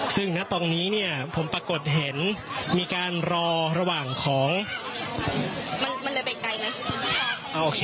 ซึ่งนะตอนนี้เนี้ยผมปรากฏเห็นมีการรอระหว่างของมันมันเลยไปไกลไหมอ้าวโอเค